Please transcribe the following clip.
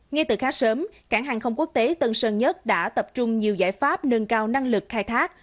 ngay từ khá sớm cảng hàng không quốc tế tân sơn nhất đã tập trung nhiều giải pháp nâng cao năng lực khai thác